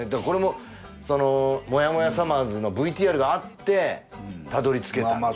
これも「モヤモヤさまぁず」のＶＴＲがあってたどり着けた。